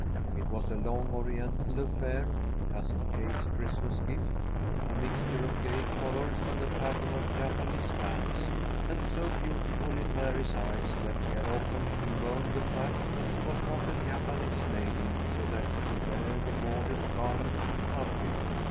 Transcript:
It was a long, Oriental affair, Cousin Kate's Christmas gift; a mixture of gay colors and a pattern of Japanese fans, and so beautiful in Mary's eyes that she had often bemoaned the fact that she was not a Japanese lady so that she could wear the gorgeous garment in public.